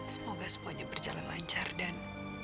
semoga semuanya berjalan lancar dan